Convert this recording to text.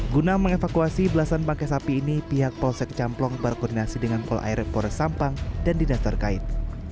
guna mengevakuasi belasan bangkai sapi ini pihak polsek camplong berkoordinasi dengan polairepores sampang dan didatangkait